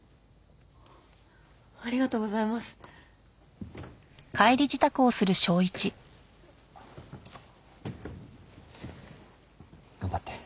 ありがとうございます。頑張って。